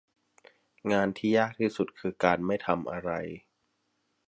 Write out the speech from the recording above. งานที่ยากที่สุดคือการไม่ทำอะไร